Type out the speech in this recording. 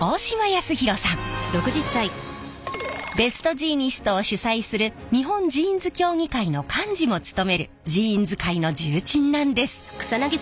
ベストジーニストを主催する日本ジーンズ協議会の幹事も務めるジーンズ界の重鎮なんです！